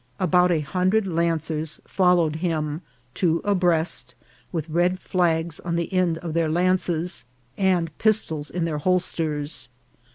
About a hundred lancers followed him, two abreast, with red flags on the ends of their lances, and pistols in their holsters.